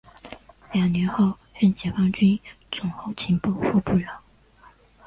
两年后任解放军总后勤部副部长。